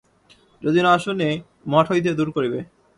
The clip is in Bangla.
যদি না শুনে, মঠ হইতে দূর করিবে।